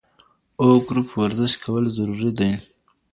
O ګروپ ورزش کول ضروري دی.